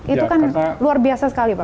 itu kan luar biasa sekali pak